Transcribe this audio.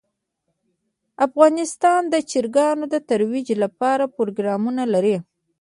افغانستان د چرګانو د ترویج لپاره پروګرامونه لري.